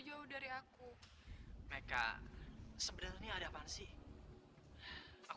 pokoknya kamu harus sekolah besok